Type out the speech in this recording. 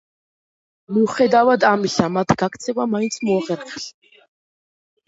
მიუხედავად ამისა, მათ გაქცევა მაინც მოახერხეს.